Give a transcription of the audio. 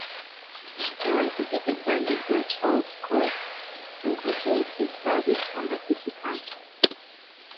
He was defeated by Liberal Charles Cross, and continued his service on city council.